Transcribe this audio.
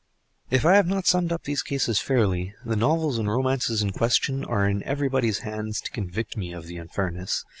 If I have not summed up these cases fairly, the novels and romances in question are in everybody's hands to convict me of the unfairness.